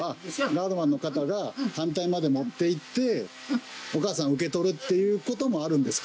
ガードマンの方が反対まで持っていっておかあさん受け取るっていうこともあるんですか？